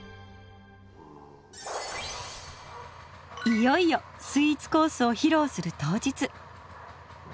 いよいよスイーツコースをひろうする当日。